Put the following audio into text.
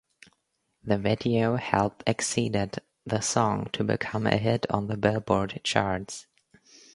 The video helped exceeded the song to become a hit on the "Billboard" charts.